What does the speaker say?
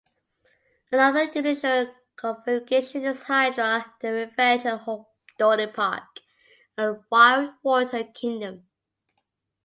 Another unusual configuration is Hydra the Revenge at Dorney Park and Wildwater Kingdom.